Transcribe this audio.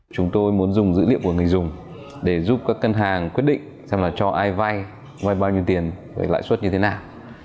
chúng tôi muốn dùng dữ liệu của người dùng để giúp các ngân hàng quyết định xem là cho ai vay vay bao nhiêu tiền với lãi suất như thế nào